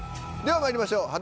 ではまいりましょう。